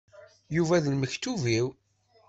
Yuba d lmektub-iw.